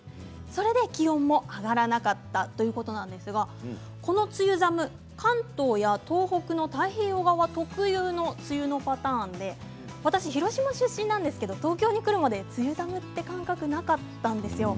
それで気温も上がらなかったということなんですがこの梅雨寒、関東や東北の太平洋側特有の、梅雨のパターンで私は広島出身なんですけど東京に来るまで梅雨寒という感覚はなかったんです。